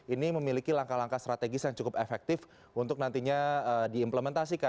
ini memiliki langkah langkah strategis yang cukup efektif untuk nantinya diimplementasikan